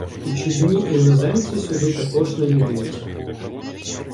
І чудні іноземці сюди також навідуються